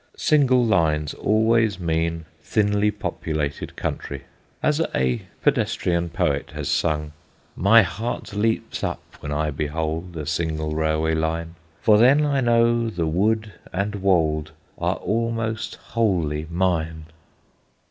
Single lines always mean thinly populated country. As a pedestrian poet has sung: My heart leaps up when I behold A single railway line; For then I know the wood and wold Are almost wholly mine.